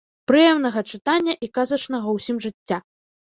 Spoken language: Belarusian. Прыемнага чытання і казачнага ўсім жыцця!